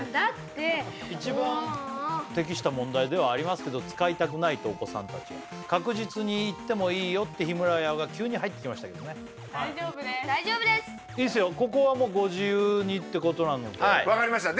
もう一番適した問題ではありますけど使いたくないとお子さん達は確実にいってもいいよってヒムラヤが急に入ってきましたけどここはご自由にってことなので分かりました